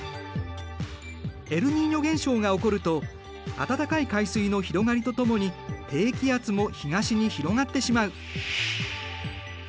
エルニーニョ現象が起こると温かい海水の広がりとともに低気圧も東に広がってしまう。